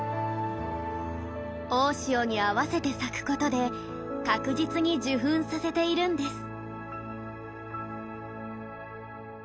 大潮に合わせて咲くことで確実に受粉させているんです。